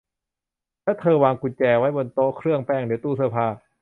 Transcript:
และเธอวางกุญแจไว้บนโต๊ะเครื่องแป้งหรือตู้เสื้อผ้า